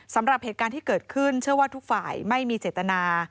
สำหรับเหตุการณ์ที่เกิดขึ้นเชื่อว่าทุกฝ่ายไม่มีเจตนา